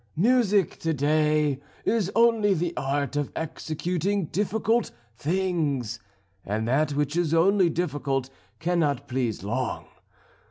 Music, to day, is only the art of executing difficult things, and that which is only difficult cannot please long.